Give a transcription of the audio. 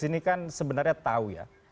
ini kan sebenarnya tahu ya